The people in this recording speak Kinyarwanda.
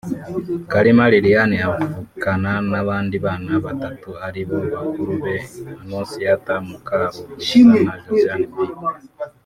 Kalima Liliane avukana n’abandi bana batatu ari bo bakuru be Annonciatta Mukarungwiza na Josiane B